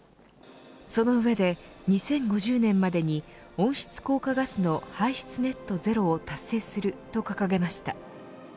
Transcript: その上で、２０５０年までに温室効果ガスの排出ネット・ゼロを達成すると掲げました。